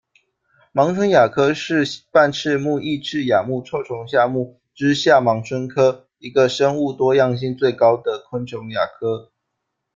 盲蝽亚科是半翅目异翅亚目臭虫下目之下盲蝽科一个生物多样性最高的昆虫亚科。